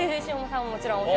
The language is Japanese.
もちろん。